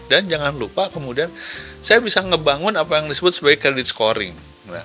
dan jangan lupa kemudian saya bisa ngebangun apa yang disebut sebagai kredit scoring